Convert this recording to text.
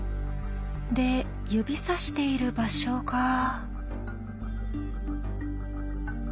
で指さしている場所が。